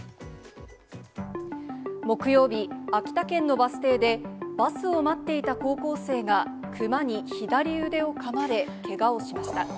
木曜日、秋田県のバス停でバスを待っていた高校生が、クマに左腕をかまれ、けがをしました。